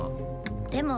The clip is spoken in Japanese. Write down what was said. でも。